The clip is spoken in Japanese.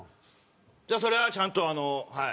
じゃあそれはちゃんとはい。